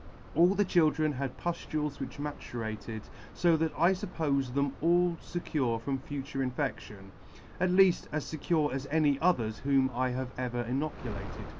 All the children had puftules which maturated, fo [ 88 ] fo that I fuppofe them all fecure from future infection ; at leaft, as fecure as any others whom I have ever inoculated.